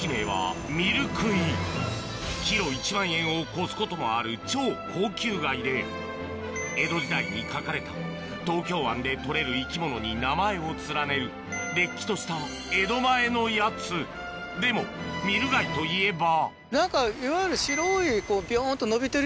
キロ１万円を超すこともある超高級貝で江戸時代に書かれた東京湾で取れる生き物に名前を連ねるれっきとしたでもミル貝といえば何かいわゆる。